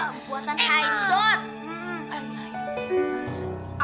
enggak buatan haidot